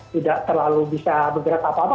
tidak terlalu bisa bergerak apa apa